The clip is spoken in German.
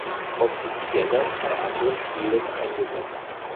Offizieller bei anderen Spielen eingesetzt.